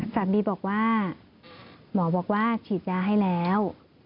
สามีบอกว่าหมอบอกว่าฉีดยาให้แล้ว